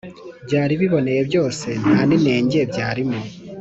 byari biboneye byose, nta n'inenge byarimo.